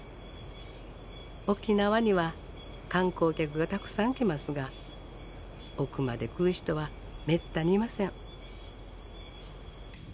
沖縄には観光客がたくさん来ますが奥まで来る人はめったにいません。